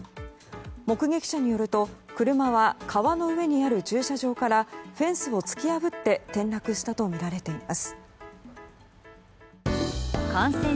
目撃者によると車は、川の上にある駐車場からフェンスを突き破って転落したとみられています。